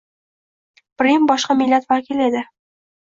Brim boshqa millat vakili edi.